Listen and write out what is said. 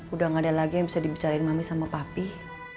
udah gak ada lagi yang bisa dibicarain mami sama papih